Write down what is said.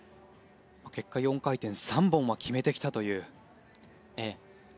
結果、４回転３本は決めてきたという。